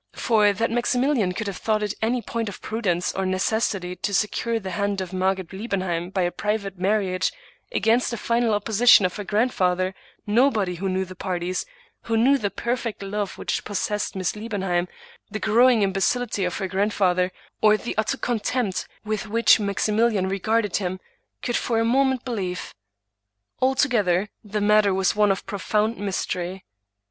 For, that Maximilian could have thought it any point of prudence or necessity to secure the hand of Margaret Liebenheim by a private marriage, against the final opposition of her grandfather, nobody who knew the parties, who knew the perfect love which pos sessed Miss Liebenheim, the growing imbecility of her grandfather, or the utter contempt with which 'Maximilian regarded him, could for a moment believe. Altogether, the matter was one of profound mystery.